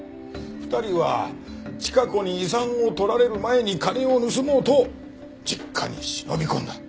２人はチカ子に遺産を取られる前に金を盗もうと実家に忍び込んだ。